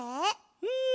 うん。